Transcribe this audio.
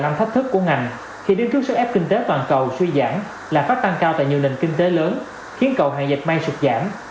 năm thấp thước của ngành khi đứng trước sức ép kinh tế toàn cầu suy giảm là phát tăng cao tại nhiều nền kinh tế lớn khiến cầu hàng dịch may sụt giảm